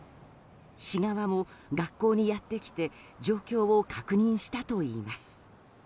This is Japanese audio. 市側も学校にやってきて状況を確認したといいます。